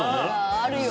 あるよ。